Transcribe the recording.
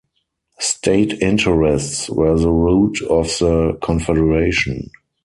State interests were the route of the Confederation.